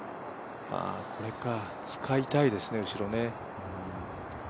これか、使いたいですね、後ろね。